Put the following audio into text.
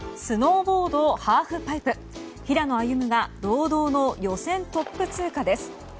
スノーボードハーフパイプ平野歩夢が堂々の予選トップ通過です。